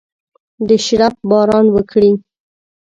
د شرپ باران وکړي